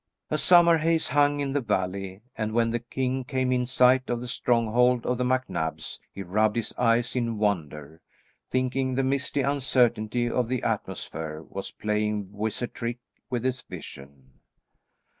A summer haze hung in the valley, and when the king came in sight of the stronghold of the MacNabs he rubbed his eyes in wonder, thinking the misty uncertainty of the atmosphere was playing wizard tricks with his vision.